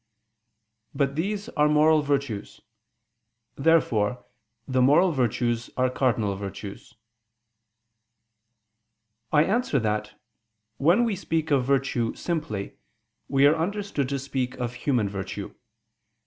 But these are moral virtues. Therefore the moral virtues are cardinal virtues. I answer that, When we speak of virtue simply, we are understood to speak of human virtue.